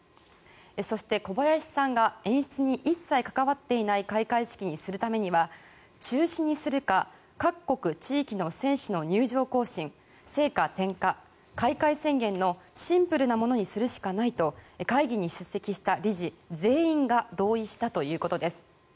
そして、小林さんが演出に一切関わっていない開会式にするためには中止にするか各国・地域の選手の入場行進聖火点火、開会宣言のシンプルなものにするしかないと会議に出席した理事全員が同意したということです。